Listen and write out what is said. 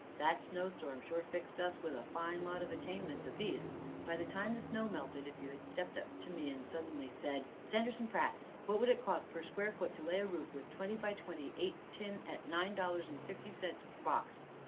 That snowstorm sure fixed us with a fine lot of attainments apiece. By the time the snow melted, if you had stepped up to me suddenly and said: "Sanderson Pratt, what would it cost per square foot to lay a roof with twenty by twenty eight tin at nine dollars and fifty cents per box?"